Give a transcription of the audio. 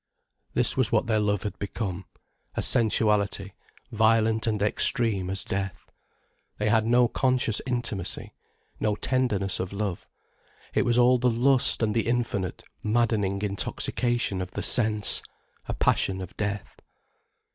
This was what their love had become, a sensuality violent and extreme as death. They had no conscious intimacy, no tenderness of love. It was all the lust and the infinite, maddening intoxication of the sense, a passion of death.